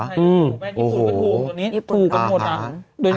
ญี่ปุ่นก็ถูกตรงนี้ถูกกันหมดนะ